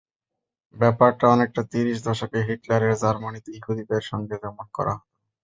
ব্যাপারটা অনেকটা তিরিশ দশকে হিটলারের জার্মানিতে ইহুদিদের সঙ্গে যেমন করা হতো।